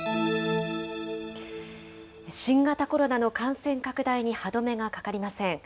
新型コロナの感染拡大に歯止めが掛かりません。